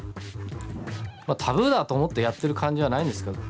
まあタブーだと思ってやってる感じはないんですけど。